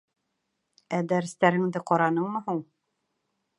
Ә дәрестәреңде ҡараныңмы һуң?